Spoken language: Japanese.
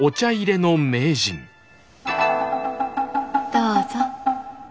どうぞ。